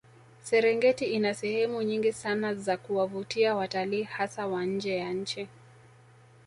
Serengeti ina sehemu nyingi sana za kuwavutia watalii hasa wa nje ya nchi